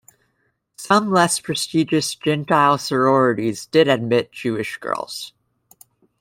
Some less prestigious gentile sororities did admit Jewish girls.